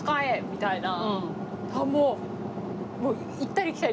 みたいな。